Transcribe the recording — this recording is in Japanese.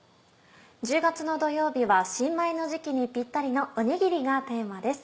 １０月の土曜日は新米の時期にピッタリのおにぎりがテーマです。